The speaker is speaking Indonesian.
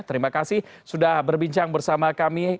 terima kasih sudah berbincang bersama kami